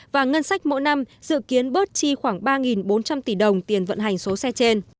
và ngân sách mỗi năm dự kiến bớt chi khoảng ba bốn trăm linh tỷ đồng tiền vận hành số xe trên